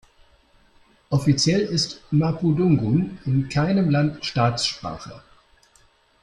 Offiziell ist Mapudungun in keinem Land Staatssprache.